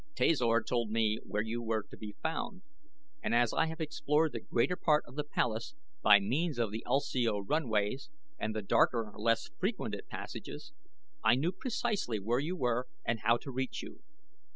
"Tasor told me where you were to be found, and as I have explored the greater part of the palace by means of the ulsio runways and the darker and less frequented passages I knew precisely where you were and how to reach you.